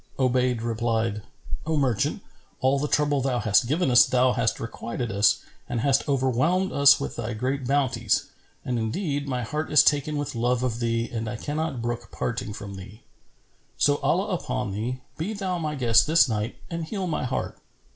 Obayd replied, "O merchant, all the trouble thou hast given us thou hast requited us and hast overwhelmed us with thy great bounties: and indeed my heart is taken with love of thee and I cannot brook parting from thee. So, Allah upon thee, be thou my guest this night and heal my heart."